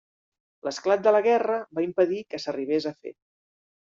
L'esclat de la guerra va impedir que s'arribés a fer.